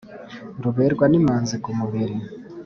ruberwa n’imanzi ku mubiri